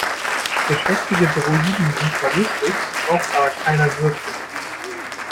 Geschwätzige Droiden sind zwar lustig, braucht aber keiner wirklich.